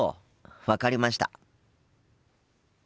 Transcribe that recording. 分かりました。